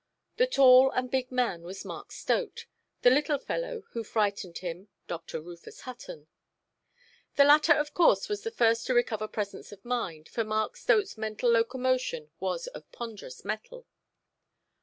The tall and big man was Mark Stote, the little fellow who frightened him Dr. Rufus Hutton. The latter, of course was the first to recover presence of mind, for Mark Stoteʼs mental locomotion was of ponderous metal.